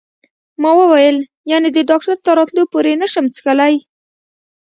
ما وویل: یعنې د ډاکټر تر راتلو پورې یې نه شم څښلای؟